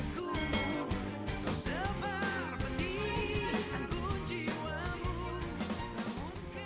ya kita gaspah t pernah kalo bibie